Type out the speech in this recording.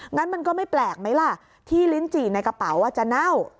งั้นมันก็ไม่แปลกไหมล่ะที่ลิ้นจี่ในกระเป๋าจะเน่า